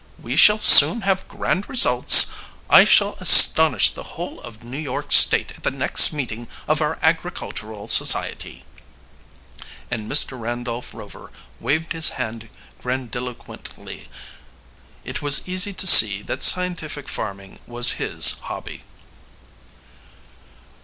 We shall soon have grand results. I shall astonish the whole of New York State at the next meeting of our agricultural society," and Mr. Randolph Rover waved his hand grandiloquently. It was easy to see that scientific farming was his hobby.